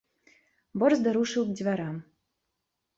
Борзда рушыў к дзвярам.